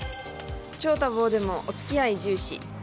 超多忙でも、お付き合い重視。